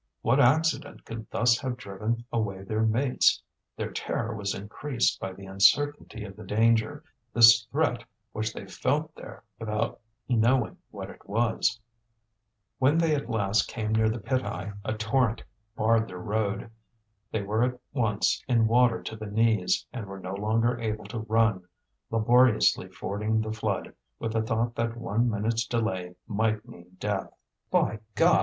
What accident could thus have driven away their mates? Their terror was increased by the uncertainty of the danger, this threat which they felt there without knowing what it was. When they at last came near the pit eye, a torrent barred their road. They were at once in water to the knees, and were no longer able to run, laboriously fording the flood with the thought that one minute's delay might mean death. "By God!